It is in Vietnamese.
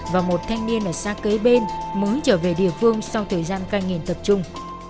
và một thanh niên ở xa kế bên muốn trở về địa phương sau thời gian canh nghiền tập trung